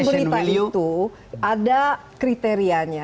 berita itu ada kriterianya